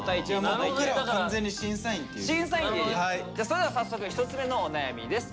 それでは早速１つ目のお悩みです。